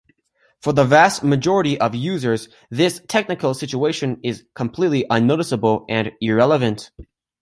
For the vast majority of users this technical situation is completely unnoticeable and irrelevant.